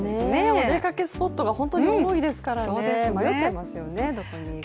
お出かけスポットが本当に多いですからね迷っちゃいますよね、どこに行くか。